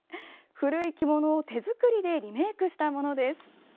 古い着物を手作りでリメークしたものです。